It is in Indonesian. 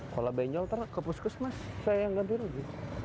kalau benyol terkepus kus mas saya yang ganti lagi